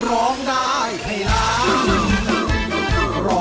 ร้องได้ให้ร้อง